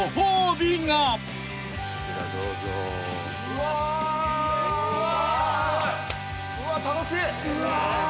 うわ楽しい！